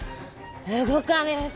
動かねえと。